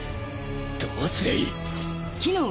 どうすりゃいい！？